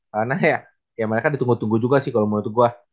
karena ya mereka ditunggu tunggu juga sih kalo menurut gue